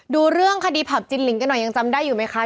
ดูเรื่องคดีผับจินลิงกันหน่อยยังจำได้อยู่ไหมคะ